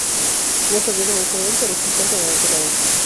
No es un ruido muy común, pero existente en la naturaleza.